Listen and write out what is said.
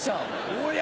おや！